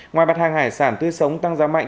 ngoài mặt hàng hải sản tươi sống tăng giá mạnh